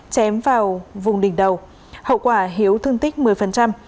chém vào vùng đỉnh đầu hậu quả hiếu thương tích một mươi